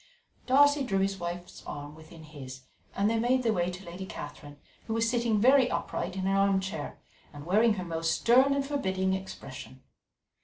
Darcy drew his wife's arm within his, and they made their way to Lady Catherine, who was sitting very upright in an armchair and wearing her most stern and forbidding expression.